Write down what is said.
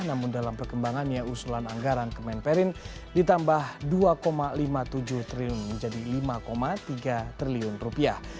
namun dalam perkembangannya usulan anggaran kemenperin ditambah dua lima puluh tujuh triliun menjadi lima tiga triliun rupiah